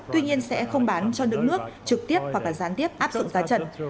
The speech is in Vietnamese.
tuy nhiên sẽ không bán cho lượng nước trực tiếp hoặc là gián tiếp áp dụng giá trần